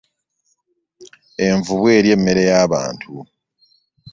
Envubu erya emmere y'abantu.